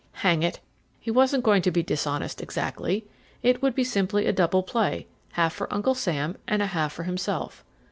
Hang it, he wasn't going to be dishonest exactly; it would be simply a double play, half for Uncle Sam and half for himself.